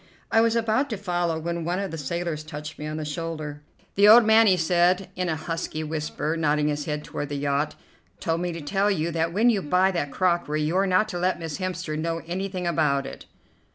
I was about to follow when one of the sailors touched me on the shoulder. "The old man," he said in a husky whisper, nodding his head toward the yacht, "told me to tell you that when you buy that crockery you're not to let Miss Hemster know anything about it."